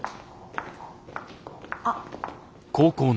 あっ。